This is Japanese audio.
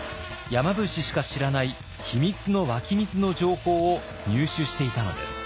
山伏しか知らない秘密の湧き水の情報を入手していたのです。